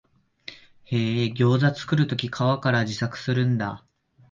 へえ、ギョウザ作るとき皮から自作するんだ